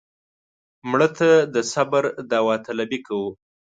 مړه ته د صبر داوطلبي کوو